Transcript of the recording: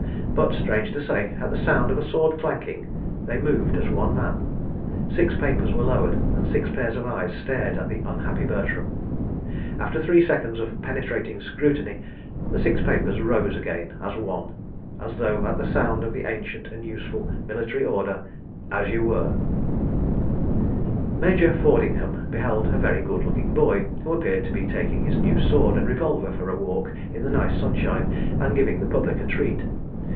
But, strange to say, at the sound of a sword clanking, they moved as one man; six papers were lowered and six pairs of eyes stared at the unhappy Bertram. After three seconds of penetrating scrutiny, the six papers rose again as one, as though at the sound of the ancient and useful military order, "As you were." Major Fordinghame beheld a very good looking boy, who appeared to be taking his new sword and revolver for a walk in the nice sunshine and giving the public a treat.